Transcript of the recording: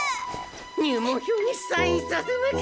入門票にサインさせなければ！